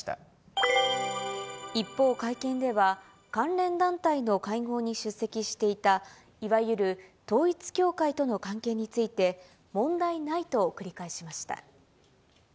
一方、会見では関連団体の会合に出席していた、いわゆる統一教会との関係について、問題ないと繰り返しました。